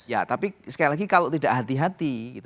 ya tapi sekali lagi kalau tidak hati hati